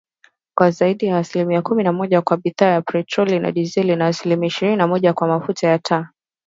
kwa zaidi ya asilimia kumi na moja kwa bidhaa ya petroli na dizeli, na asilimia ishini na moja kwa mafuta ya taa